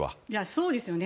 そうですよね。